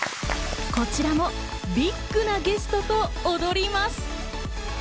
こちらもビッグなゲストと踊ります。